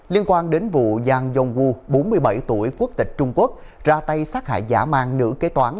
liên quan đến vụ giang yong wu bốn mươi bảy tuổi quốc tịch trung quốc ra tay sát hại giả mang nữ kế toán